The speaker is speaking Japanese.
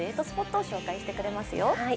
スポットを紹介してくれますよ。